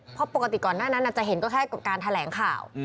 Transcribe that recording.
เพราะปกติก่อนหน้านั้นจะเห็นก็แค่การแถลงข่าว